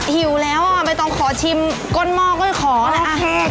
หิวแล้วใบตองขอชิมก้นหมอก้นขอนะโอเค